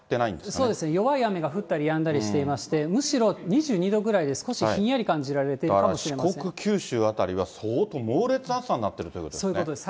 そうですね、弱い雨が降ったりやんだりしていまして、むしろ２２度ぐらいで、少しひんやり感じられているかもしれませ四国、九州辺りは相当、猛烈な暑さになっているということですね。